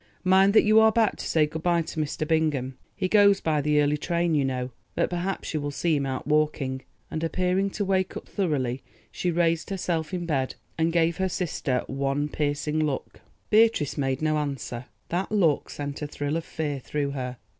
"Mind that you are back to say good bye to Mr. Bingham; he goes by the early train, you know—but perhaps you will see him out walking," and appearing to wake up thoroughly, she raised herself in bed and gave her sister one piercing look. Beatrice made no answer; that look sent a thrill of fear through her.